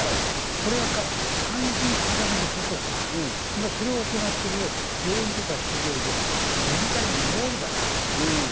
これから肝心要のそこが今それを行っている病院や診療所、全体の２割だっていうんですよね。